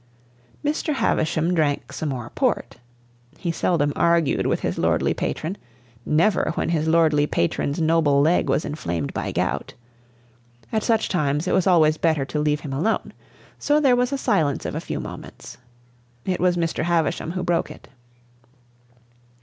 Mr. Havisham drank some more port. He seldom argued with his lordly patron, never when his lordly patron's noble leg was inflamed by gout. At such times it was always better to leave him alone. So there was a silence of a few moments. It was Mr. Havisham who broke it.